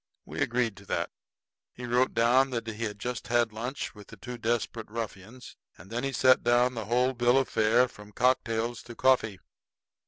We agreed to that. He wrote down that he had just had lunch with the two desperate ruffians; and then he set down the whole bill of fare, from cocktails to coffee.